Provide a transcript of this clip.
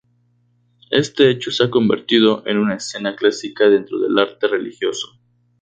Este hecho se ha convertido en una escena clásica dentro del arte religioso.